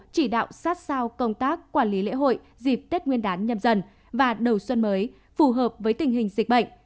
chỉ đạo sát sao công tác quản lý lễ hội dịp tết nguyên đán nhâm dần và đầu xuân mới phù hợp với tình hình dịch bệnh